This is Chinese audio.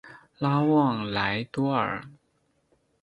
拉旺莱多尔。